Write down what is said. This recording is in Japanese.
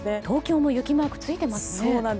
東京も雪マークがついていますね。